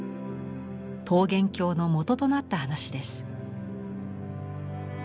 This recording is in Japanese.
桃源郷のもととなった話です。